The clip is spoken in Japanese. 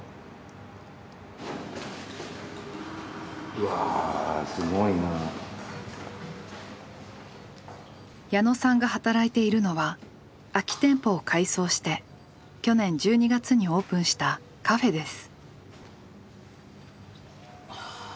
うわ矢野さんが働いているのは空き店舗を改装して去年１２月にオープンしたカフェです。